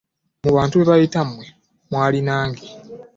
Mu bantu be yayita mwe mwali nange.